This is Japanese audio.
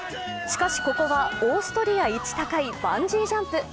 しかし、ここはオーストリアいち高いバンジージャンプ。